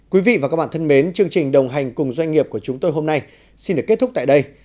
quý vị và các bạn thân mến chương trình đồng hành cùng doanh nghiệp của chúng tôi hôm nay xin được kết thúc tại đây